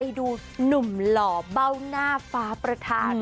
ไปดูหนุ่มหล่อเบ้าหน้าฟ้าประธาน